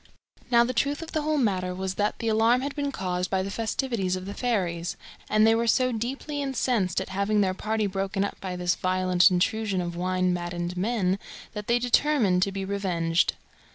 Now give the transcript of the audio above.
Now the truth of the whole matter was that the alarm had been caused by the festivities of the fairies, and they were so deeply incensed at having their party broken up by this violent intrusion of wine maddened men that they determined to be revenged.